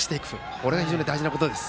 これが大事なことです。